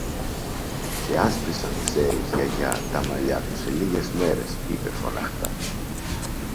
Και άσπρισαν, ξέρεις, Γιαγιά, τα μαλλιά του σε λίγες μέρες, είπε φωναχτά.